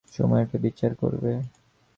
সময় তা বিচার করবে।